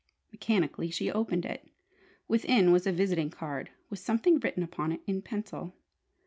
Mechanically she opened it. Within was a visiting card, with something written upon it in pencil.